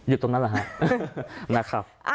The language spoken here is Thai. หยุดตรงนั้นเหรอฮะ